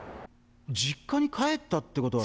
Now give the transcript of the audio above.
実家に帰ったってことは。